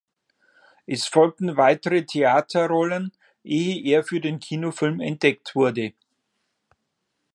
Es folgten weitere Theaterrollen, ehe er für den Kinofilm entdeckt wurde.